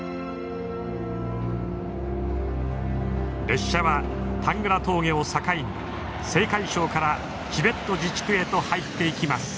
列車はタングラ峠を境に青海省からチベット自治区へと入っていきます。